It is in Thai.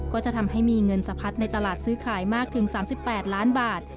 ก็จะทำให้มีเงินสะพัดในตลาดซื้อขายมากถึง๓๘ล้านบาท